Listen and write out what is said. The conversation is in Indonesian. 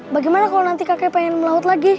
bagaimana kalau nanti kakek pengen melaut lagi